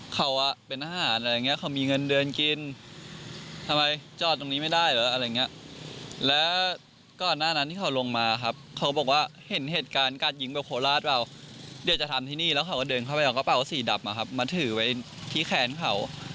เขาไปเอากระเป๋าสีดำมาครับมาถือไว้ที่แค้นเขา